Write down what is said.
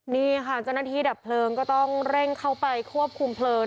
นี่ค่ะเจ้าหน้าที่ดับเพลิงก็ต้องเร่งเข้าไปควบคุมเพลิง